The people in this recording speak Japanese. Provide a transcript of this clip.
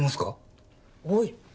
おい！